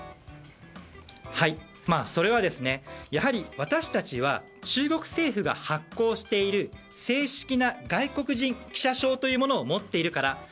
それは私たちは中国政府が発行している正式な外国人記者証というものを持っているから。